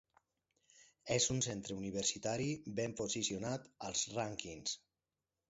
És un centre universitari ben posicionat als rànquings.